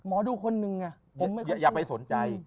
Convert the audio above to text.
หมอดูคนหนึ่งผมไม่ค่อยสนใจ